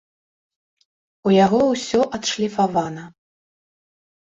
У яго усё адшліфавана!